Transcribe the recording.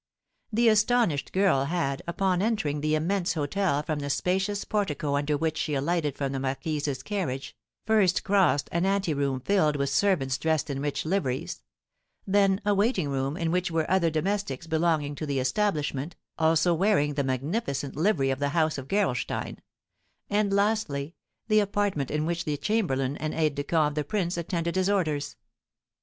The astonished girl had, upon entering the immense hôtel from the spacious portico under which she alighted from the marquise's carriage, first crossed an anteroom filled with servants dressed in rich liveries; then a waiting room, in which were other domestics belonging to the establishment, also wearing the magnificent livery of the house of Gerolstein; and lastly, the apartment in which the chamberlain and aides de camp of the prince attended his orders.